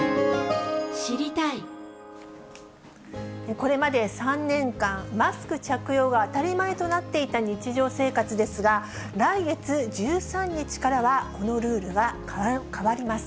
これまで３年間、マスク着用が当たり前となっていた日常生活ですが、来月１３日からはこのルールは変わります。